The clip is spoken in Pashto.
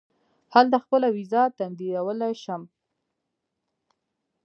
هلته خپله وېزه تمدیدولای شم.